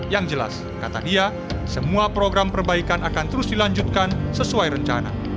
yang jelas kata dia semua program perbaikan akan terus dilanjutkan sesuai rencana